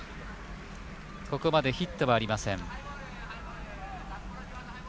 ここまでヒットはありません。